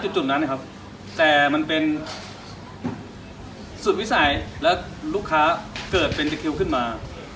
อ้านด้วยจุดนั้นนะครับแต่มันเป็นแล้วลูกค้าเกิดเข้าขึ้นมา